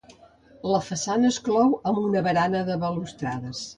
La façana es clou amb una barana de balustrades.